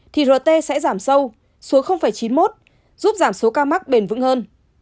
thì rt sẽ giảm sâu xuống chín mươi một giúp giảm số ca mắc bền vững hơn